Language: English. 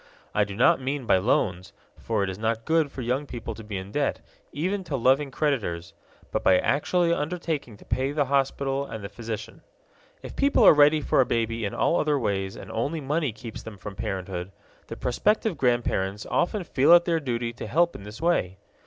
I do not mean by loans for it is not good for young people to be in debt, even to loving creditors but by actually undertaking to pay the hospital and the physician. If people are ready for a baby in all other ways and only money keeps them from parenthood, the prospective grandparents often feel it their duty to help in this way.